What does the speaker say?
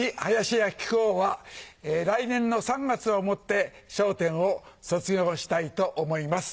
私林家木久扇は来年の３月をもって『笑点』を卒業したいと思います。